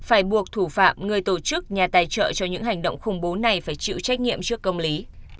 phải buộc thủ phạm người tổ chức nhà tài trợ cho những hành động khủng bố này phải chịu trách nhiệm trước công lý